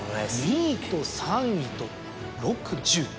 ２位と３位と６１０。